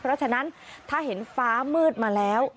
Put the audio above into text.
เพราะฉะนั้นถ้าเห็นฟ้ามืดมาแล้ว